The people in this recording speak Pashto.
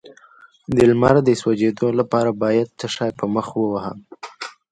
د لمر د سوځیدو لپاره باید څه شی په مخ ووهم؟